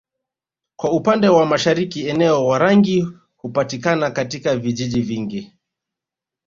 Kwa upande wa mashariki eneo Warangi hupatika katika vijiji vingi